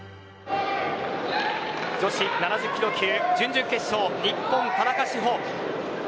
女子７０キロ級準々決勝日本、田中志歩。